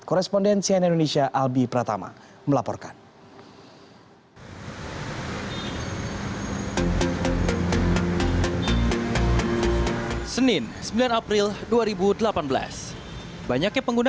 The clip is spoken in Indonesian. korespondensi nenon indonesia albi pratama melaporkan